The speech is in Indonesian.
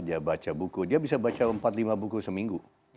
dia baca buku dia bisa baca empat lima buku seminggu